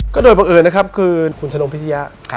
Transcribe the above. ก็โดยเผลอนะครับคือคุณถนนพิทยา